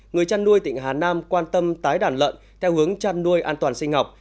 người chăn nuôi tỉnh hà nam quan tâm tái đàn lợn theo hướng chăn nuôi an toàn sinh học